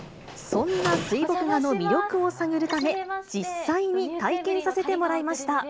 そんな水墨画の魅力を探るため、実際に体験させてもらいました。